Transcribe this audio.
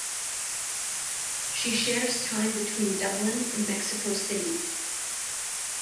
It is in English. She shares time between Dublin and Mexico City.